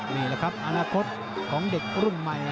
นี่แหละครับอนาคตของเด็กรุ่นใหม่